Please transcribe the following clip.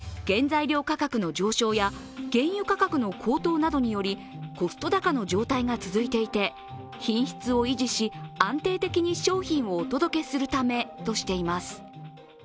その理由について、原材料価格の上昇や原油価格の高騰などによりコスト高の状態が続いていて品質を維持し安定的に商品をお届けするためとしています。